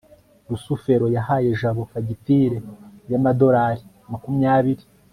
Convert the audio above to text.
rusufero yahaye jabo fagitire y'amadorari makumyabiri